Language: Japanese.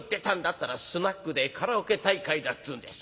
ったら『スナックでカラオケ大会だ』っつうんです。